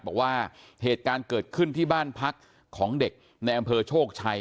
บอกว่าเหตุการณ์เกิดขึ้นที่บ้านพักของเด็กในอำเภอโชคชัย